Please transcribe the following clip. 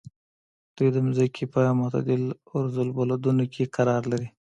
دوی د ځمکې په معتدلو عرض البلدونو کې قرار لري.